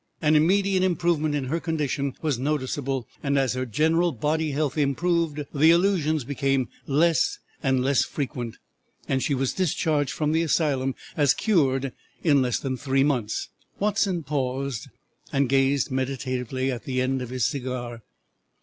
"An immediate improvement in her condition was noticeable, and as her general bodily health improved, the illusions became less and less frequent, and she was discharged from the asylum as cured in less than three months." Watson paused and gazed meditatively at the end of his cigar.